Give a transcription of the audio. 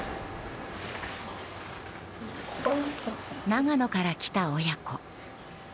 長野から来た親子。